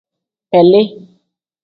Beli.